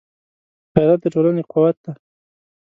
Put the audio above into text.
غیرت د ټولنې قوت دی